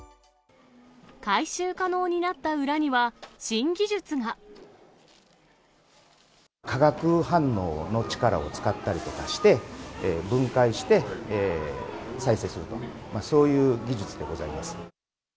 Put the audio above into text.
回収可能になった裏には、化学反応の力を使ったりとかして、分解して再生する、そういう技術でございます。